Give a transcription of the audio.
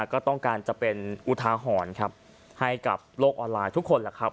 ก็ต้องการจะเป็นอุทาหรณ์ครับให้กับโลกออนไลน์ทุกคนแหละครับ